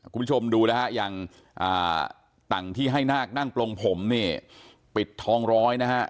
คุณผู้ชมดูนะฮะอย่างต่างที่ให้นาคนั่งปลงผมเนี่ยปิดทองร้อยนะฮะ